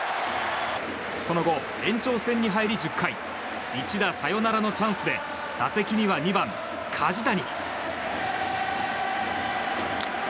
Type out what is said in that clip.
その後、延長戦に入り１０回一打サヨナラのチャンスで打席には２番、梶谷。